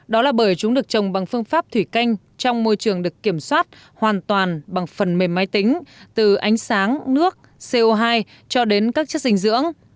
đó là bởi chúng được trồng bằng phương pháp thủy canh trong môi trường được kiểm soát hoàn toàn bằng phần mềm máy tính từ ánh sáng nước co hai cho đến các chất dinh dưỡng